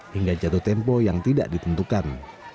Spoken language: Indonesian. hingga jatuh tempo yang tidak ditentukan